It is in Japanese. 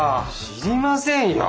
知りませんよ。